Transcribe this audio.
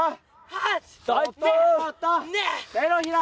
５！・手のひら！